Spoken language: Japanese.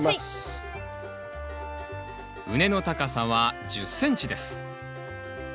畝の高さは１０ｃｍです。